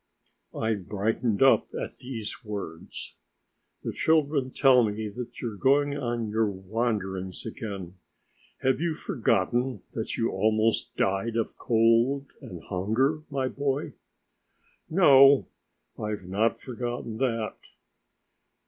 I brightened up at these words. "The children tell me that you are going on your wanderings again. Have you forgotten that you almost died of cold and hunger, my boy?" "No, I've not forgotten that."